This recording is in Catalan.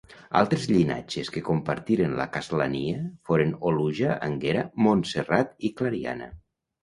Altres llinatges que compartiren la castlania foren Oluja, Anguera, Montserrat i Clariana.